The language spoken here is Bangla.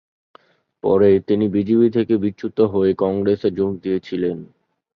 পরে তিনি বিজেপি থেকে বিচ্যুত হয়ে কংগ্রেসে যোগ দিয়েছিলেন।